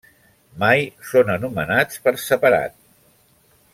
Mai són anomenats per separat.